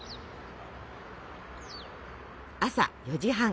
朝４時半。